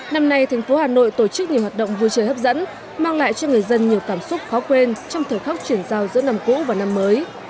năm nay thành phố hà nội tổ chức nhiều hoạt động vui chơi hấp dẫn mang lại cho người dân nhiều cảm xúc khó quên trong thời khắc chuyển giao giữa năm cũ và năm mới